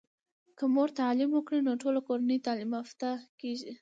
که مور تعليم وکړی نو ټوله کورنۍ تعلیم یافته کیږي.